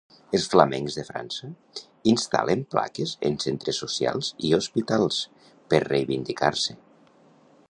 Els flamencs de França instal·len plaques en centres socials i hospitals, per reivindicar-se.